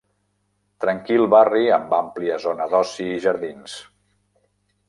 Tranquil barri amb àmplia zona d'oci i jardins.